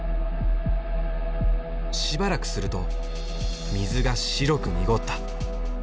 しばらくすると水が白く濁った。